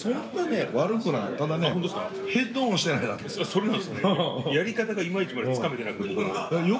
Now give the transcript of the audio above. それなんですよね。